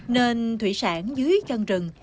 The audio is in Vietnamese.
nên thủy sản dưới chân rừng